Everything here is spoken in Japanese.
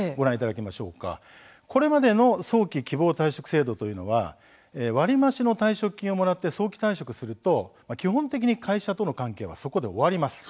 これまでの早期・希望退職制度は割り増しの退職金をもらって早期退職すると基本的に会社との関係はそこで終わります。